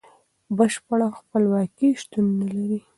بشپړه خپلواکي شتون نلري.